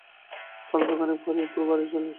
অল্পখানিক পরেই অপু বাড়ি আসিল।